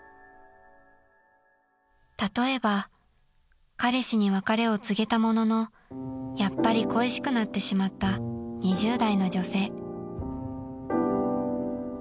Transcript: ［例えば彼氏に別れを告げたもののやっぱり恋しくなってしまった２０代の女性］